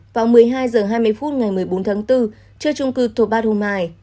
vào một mươi hai h hai mươi phút ngày một mươi bốn tháng bốn chơi trung cư tô pát hôm hai